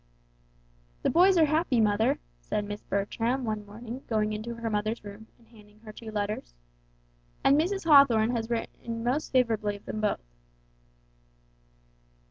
"The boys are happy, mother," said Miss Bertram one morning going into her mother's room and handing her two letters; "and Mrs. Hawthorn has written most favorably of them both."